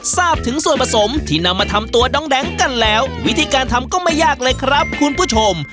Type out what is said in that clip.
ทราบถึงส่วนผสมที่นำมาทำตัวน้องแดงกันแล้ววิธีการทำก็ไม่ยากเลยครับคุณผู้ชม